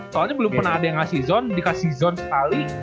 soalnya belum pernah ada yang ngasih zone dikasih zone sekali